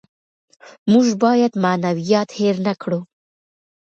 موږ باید معنویات هېر نکړو.